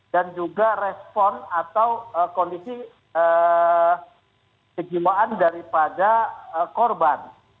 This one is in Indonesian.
dan juga respon atau kondisi kejiwaan daripada korban